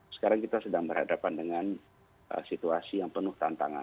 sekarang kita sedang berhadapan dengan situasi yang penuh tantangan